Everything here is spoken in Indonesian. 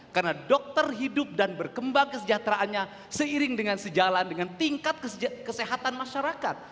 karena dokter hidup dan berkembang kesejahteraannya seiring dengan sejalan dengan tingkat kesehatan masyarakat